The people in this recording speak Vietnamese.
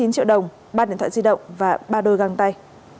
bốn mươi chín triệu đồng ba điện thoại di động và ba đôi găng tay